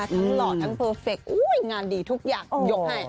หล่อทั้งเพอร์เฟคงานดีทุกอย่างยกให้